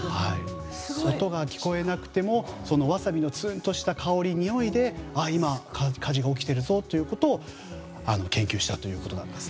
音が聞こえなくてもわさびのつーんとしたにおいで今、火事が起きているぞということを研究したということです。